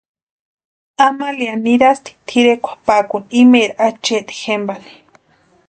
Amalia nirasti tʼirekwa pakuni imeri achenti jempani.